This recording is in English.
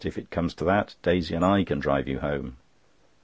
If it comes to that, Daisy and I can drive you home."